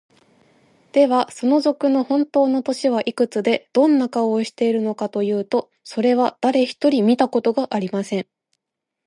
では、その賊のほんとうの年はいくつで、どんな顔をしているのかというと、それは、だれひとり見たことがありません。